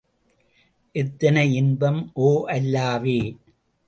எத்தனை இன்பம் ஒ அல்லாவே!